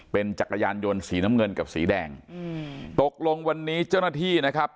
เป็นจักรยานยนต์สีน้ำเงินกับสีแดงอืมตกลงวันนี้เจ้าหน้าที่นะครับ